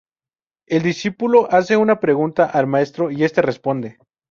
El discípulo hace una pregunta al maestro y este responde.